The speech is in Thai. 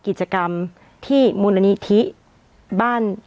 อันดับสุดท้าย